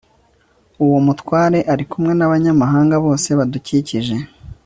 uwo mutware ari kumwe n'abanyamahanga bose badukikije